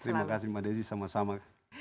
terima kasih mbak desi sama sama